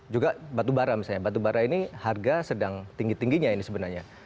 juga batubara misalnya batubara ini harga sedang tinggi tingginya ini sebenarnya